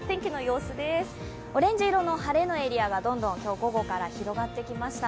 オレンジ色の晴れのエリアが今日、どんどん午後から広がってきました。